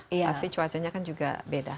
pasti cuacanya kan juga beda